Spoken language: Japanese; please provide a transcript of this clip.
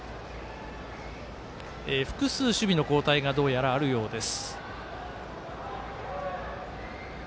複数、守備の交代がどうやらあるようです。